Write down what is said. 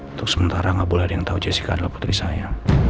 untuk sementara nggak boleh ada yang tahu jessica adalah putri saya